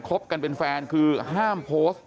บกันเป็นแฟนคือห้ามโพสต์